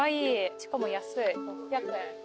しかも安い６００円。